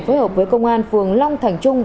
phối hợp với công an phường long thành trung